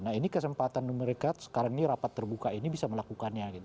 nah ini kesempatan mereka sekarang ini rapat terbuka ini bisa melakukannya